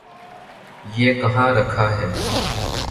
یہ کہاں رکھا ہے؟